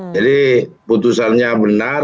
jadi putusannya benar